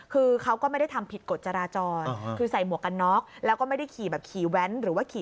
คือเขาก็ไม่ได้ทำผิดกฎจราจรคือใส่หมวกกันน็อคแล้วก็ไม่ได้ขี่แว้น